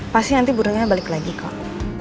pasti nanti burungnya balik lagi kok